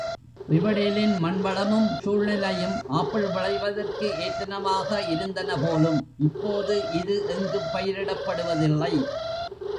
River டேலின் மண் வளமும் சூழ்நிலையும் ஆப்பிள் விளைவதற்கு ஏற்றனவாக இருந்தன போலும், இப்போது இது எங்கும் பயிரிடப்படுவதில்லை.